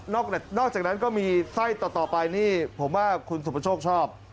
นอกจากนั้นก็มีไส้ต่อไปนี่ผมว่าคุณสุประโชคชอบ